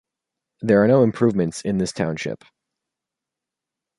There are no improvements in this Township.